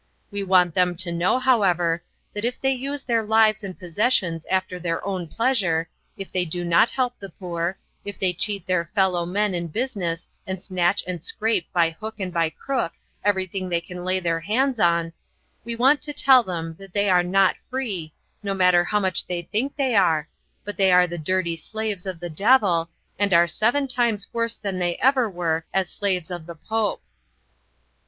We want them to know, however, that if they use their lives and possessions after their own pleasure, if they do not help the poor, if they cheat their fellow men in business and snatch and scrape by hook and by crook everything they can lay their hands on, we want to tell them that they are not free, no matter how much they think they are, but they are the dirty slaves of the devil, and are seven times worse than they ever were as the slaves of the Pope.